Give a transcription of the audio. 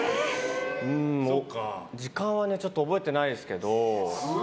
時間はちょっと覚えてないですけど。